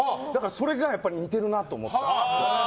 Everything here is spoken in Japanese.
それが似てるなと思った。